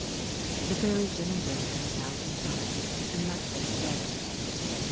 The Fairies then embraced them a thousand times, and left them together.